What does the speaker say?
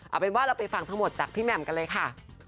เอาเป็นว่าเราไปฟังทั้งหมดจากพี่แหม่มกันเลยค่ะ